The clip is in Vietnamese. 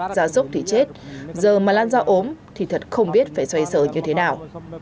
ra rốc thì chết giờ mà lan ra ốm thì thật không biết phải xoay sờ như thế nào